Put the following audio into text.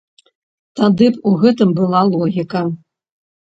Тады б у гэтым была логіка.